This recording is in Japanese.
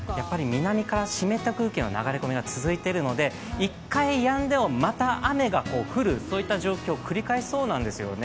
南から湿った空気の流れ込みが続いているので、１回やんでもまた雨が降る、そういった状況を繰り返しそうなんですよね。